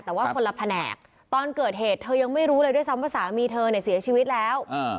แต่ว่าคนละแผนกตอนเกิดเหตุเธอยังไม่รู้เลยด้วยซ้ำว่าสามีเธอเนี่ยเสียชีวิตแล้ว